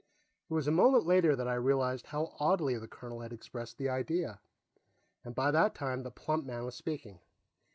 It was a moment later that I realized how oddly the colonel had expressed the idea, and by that time the plump man was speaking.